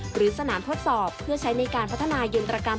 หรือสนามทดสอบเพื่อใช้ในการพัฒนายินตรกรรม